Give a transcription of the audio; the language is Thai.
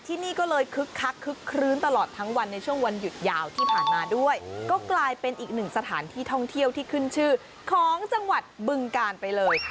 ที่นี่ก็เลยคึกคักคึกคลื้นตลอดทั้งวันในช่วงวันหยุดยาวที่ผ่านมาด้วยก็กลายเป็นอีกหนึ่งสถานที่ท่องเที่ยวที่ขึ้นชื่อของจังหวัดบึงกาลไปเลย